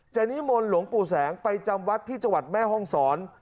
นิมนต์หลวงปู่แสงไปจำวัดที่จังหวัดแม่ห้องศร